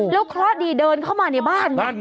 แล้วเคราะห์ดีเดินเข้ามาในบ้าน